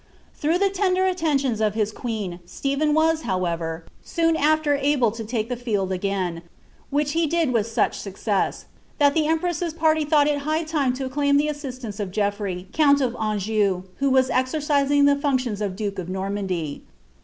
Through the tender aiteniions of his queen, Stephen tvas, howvon soon afler able to take the field ag»in ; which he did wilh snch noctfm, thai the empress's party thought it high lime to claim the aMislanc«<f GeolTrey, count of Anjou, who was now exercising the furietions of dnk of Normandy.